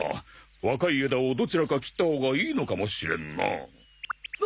若い枝をどちらか切ったほうがいいのかもしれんなあ。